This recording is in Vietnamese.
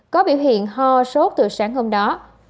có biểu hiện ho sốt từ sáng hôm đó